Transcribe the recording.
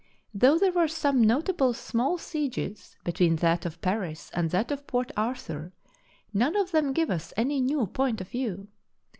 Though there were some notable small sieges between that of Paris and that of Port Arthur, none of them give us any new point of view.